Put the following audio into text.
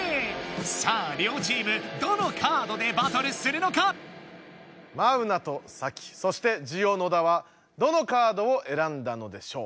さあ両チームどのカードでバトルするのか⁉マウナとサキそしてジオ野田はどのカードをえらんだのでしょう？